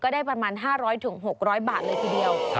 ได้ประมาณ๕๐๐๖๐๐บาทเลยทีเดียว